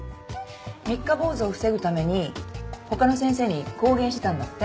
三日坊主を防ぐためにほかの先生に公言してたんだって。